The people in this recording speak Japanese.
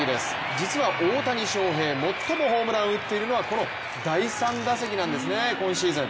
実は大谷翔平最もホームランを打っているのはこの第３打席なんですね、今シーズン。